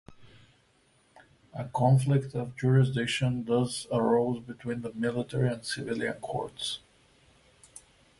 A conflict of jurisdiction thus arose between the military and civilian courts.